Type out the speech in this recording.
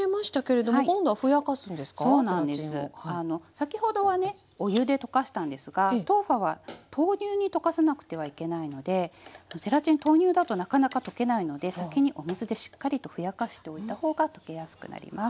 先ほどはねお湯で溶かしたんですが豆花は豆乳に溶かさなくてはいけないのでゼラチン豆乳だとなかなか溶けないので先にお水でしっかりとふやかしておいた方が溶けやすくなります。